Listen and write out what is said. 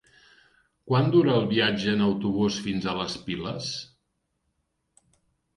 Quant dura el viatge en autobús fins a les Piles?